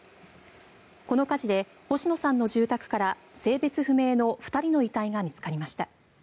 この火事で星野さんの住宅から性別不明の２人の遺体が見つかりました。